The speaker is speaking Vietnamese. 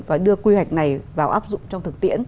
và đưa quy hoạch này vào áp dụng trong thực tiễn